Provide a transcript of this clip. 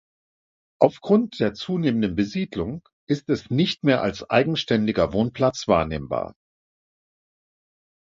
Aufgrund der zunehmenden Besiedlung ist es nicht mehr als eigenständiger Wohnplatz wahrnehmbar.